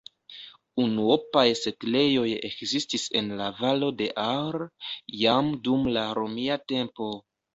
Unuopaj setlejoj ekzistis en la valo de Ahr jam dum la romia tempo.